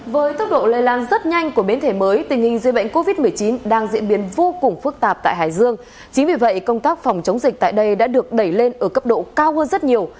với tốc độ lây lan rất nhanh của biến thể mới tình hình dây bệnh covid một mươi chín đang diễn biến vô cùng phức tạp tại hải dương chính vì vậy công tác phòng chống dịch tại đây đã được đẩy lên ở cấp độ cao hơn rất nhiều